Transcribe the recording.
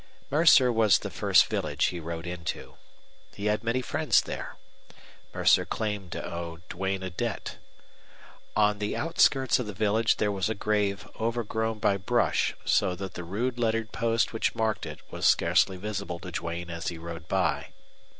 Mercer was the first village he rode into. He had many friends there. Mercer claimed to owe Duane a debt. On the outskirts of the village there was a grave overgrown by brush so that the rude lettered post which marked it was scarcely visible to Duane as he rode by.